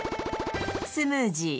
○○スムージー